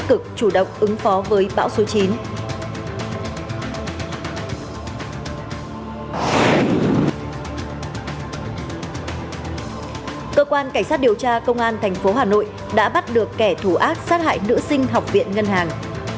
cơ quan cảnh sát điều tra công an thành phố hà nội đã bắt được kẻ thù ác sát hại nữ sinh học viện ngân hàng